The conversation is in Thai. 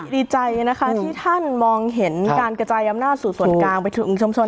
ดีใจนะคะที่ท่านมองเห็นการกระจายอำนาจสู่ส่วนกลางไปถึงชมชน